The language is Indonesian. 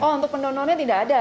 oh untuk pendonornya tidak ada